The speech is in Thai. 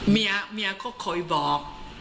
เมียเมียเขาเคยบอก